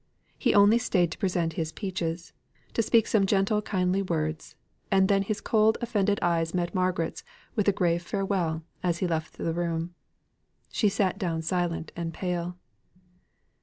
He only stayed to present his peaches to speak some gentle kindly words and then his cold offended eyes met Margaret's with a grave farewell, as he left the room. She sat down silent and pale.